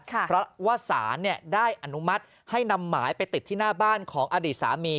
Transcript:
เพราะว่าสารได้อนุมัติให้นำหมายไปติดที่หน้าบ้านของอดีตสามี